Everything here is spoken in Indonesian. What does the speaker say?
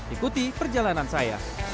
ikuti perjalanan saya